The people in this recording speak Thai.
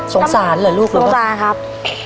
สงสารเหรอลูกหรือเปล่าสงสารครับ